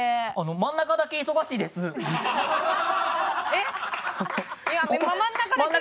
真ん中だけ忙しいですわ。